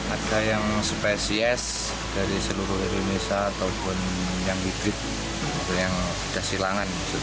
ada yang spesies dari seluruh indonesia ataupun yang hybrid atau yang ada silangan